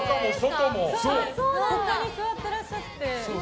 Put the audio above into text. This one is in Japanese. ここに座っていらっしゃって。